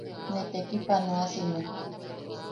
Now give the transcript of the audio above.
Ne tekipanoasime.